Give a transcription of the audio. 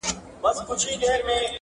• په زېور د علم و پوهي یې سینګار کړﺉ,